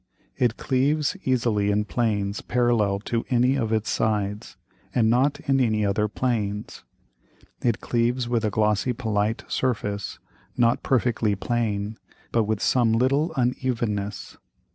It cleaves easily in planes parallel to any of its Sides, and not in any other Planes. It cleaves with a glossy polite Surface not perfectly plane, but with some little unevenness.